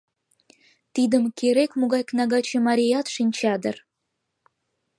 Тидым керек-могай кнагаче марият шинча дыр.